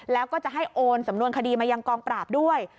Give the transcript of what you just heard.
แล้วก็จะให้โอนสำนวนคดีมายังกองปราบด้วย